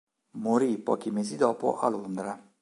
Morì pochi mesi dopo a Londra.